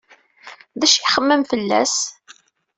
D acu ay ixemmem fell-as?